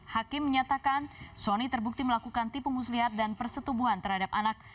hakim menyatakan sony terbukti melakukan tipu muslihat dan persetubuhan terhadap anak